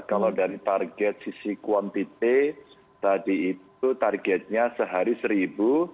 kalau dari target sisi kuantiti tadi itu targetnya sehari seribu